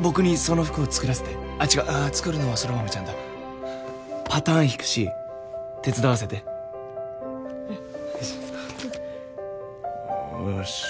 僕にその服を作らせてあっ違うあー作るのは空豆ちゃんだパターンひくし手伝わせてうんよーし